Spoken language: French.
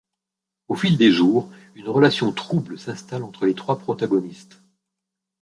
Au fil des jours, une relation trouble s'installe entre les trois protagonistes.